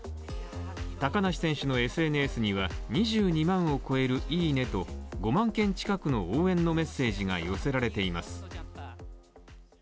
高梨選手のＳＮＳには２２万を超える「いいね！」と５万件近くの応援のメッセージが寄せられています。